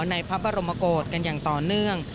ในพระบรมโกศกันอย่างต่อเนื่อง